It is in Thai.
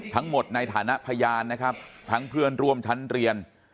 ทั้งหมดในฐานะพยานนะครับทั้งเพื่อนร่วมชั้นเรียน